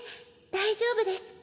大丈夫です。